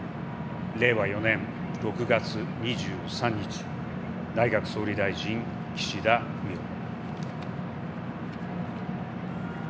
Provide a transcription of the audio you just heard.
令和４年６月２３日内閣総理大臣、岸田文雄。